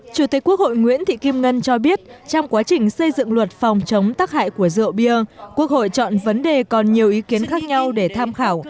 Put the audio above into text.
chủ tịch quốc hội nguyễn thị kim ngân cho biết trong quá trình xây dựng luật phòng chống tắc hại của rượu bia quốc hội chọn vấn đề còn nhiều ý kiến khác nhau để tham khảo